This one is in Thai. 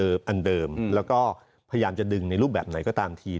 อันเดิมแล้วก็พยายามจะดึงในรูปแบบไหนก็ตามที